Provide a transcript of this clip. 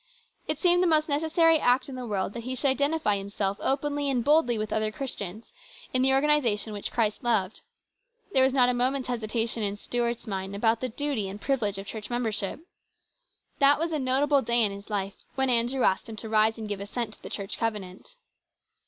It seemed the most necessary act in the world that he should identify himself openly and boldly with other Christians, in the organisation which Christ loved. There was not a moment's hesitation in Stuart's mind about the duty DISAPPOINTMENT. 233 and privilege of church membership. That was a notable day in his life when Andrew asked him to rise and give assent to the church covenant.